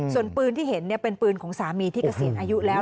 ส่วนปืนที่เห็นเป็นปืนของสามีที่เกษียณอายุแล้ว